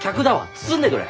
包んでくれ。